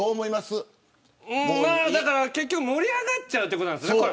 結局盛り上がっちゃうってことなんです。